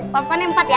popcornnya empat ya